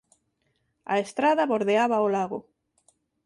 A estrada bordeaba o lago.